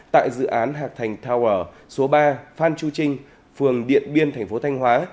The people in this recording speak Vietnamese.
tại dự án hạc thành tower số ba phan chu trinh phường điện biên thành phố thanh hóa